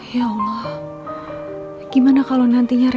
ya allah kembalikanlah al kepada keluarga dan anak anaknya